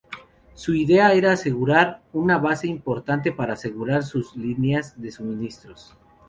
Su idea era asegurar una base importante para asegurar sus líneas de suministros.